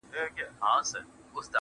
د وجود غړي د هېواد په هديره كي پراته.